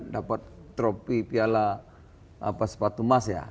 dapat tropi piala sepatu emas ya